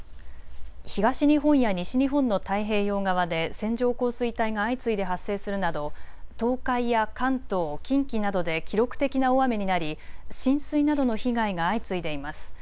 東日本や西日本の太平洋側で線状降水帯が相次いで発生するなど東海や関東、近畿などで記録的な大雨になり浸水などの被害が相次いでいます。